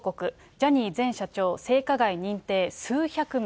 ジャニー前社長性加害認定、数百名。